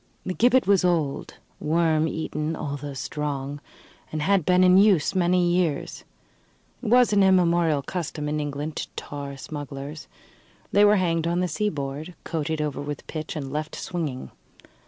The gibbet was old, worm eaten, although strong, and had been in use many years. It was an immemorial custom in England to tar smugglers. They were hanged on the seaboard, coated over with pitch and left swinging.